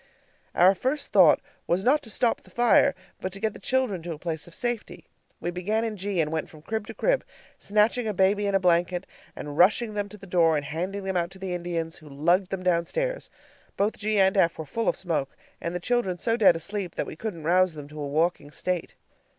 Our first thought was not to stop the fire, but to get the children to a place of safety. We began in G, and went from crib to crib, snatching a baby and a blanket, and rushing them to the door, and handing them out to the Indians, who lugged them downstairs. Both G and F were full of smoke, and the children so dead asleep that we couldn't rouse them to a walking state.